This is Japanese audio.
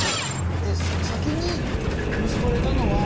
先に結ばれたのは。